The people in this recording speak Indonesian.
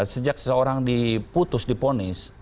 sejak seorang diputus diponis